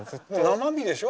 生身でしょ